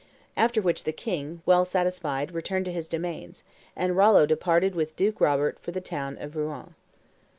After which the king, well satisfied, returned to his domains; and Rollo departed with Duke Robert for the town of Rouen."